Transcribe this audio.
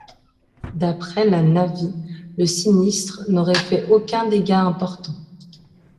D’après la Navy, le sinistre n'aurait fait aucun dégât important.